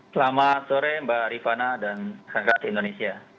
selamat sore mbak rifana dan rakyat indonesia